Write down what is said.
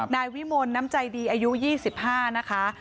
นายวิมลน้ำใจดีอายุ๒๕นะคะ